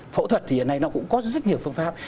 phẫu thuật thì hiện nay nó cũng có rất nhiều phương pháp